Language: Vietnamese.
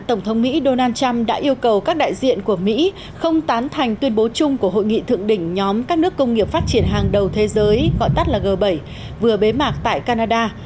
tổng thống mỹ donald trump đã yêu cầu các đại diện của mỹ không tán thành tuyên bố chung của hội nghị thượng đỉnh nhóm các nước công nghiệp phát triển hàng đầu thế giới vừa bế mạc tại canada